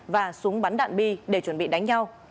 và súng bắn đạn bi để chuẩn bị đánh nhau